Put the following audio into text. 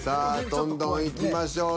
どんどんいきましょう。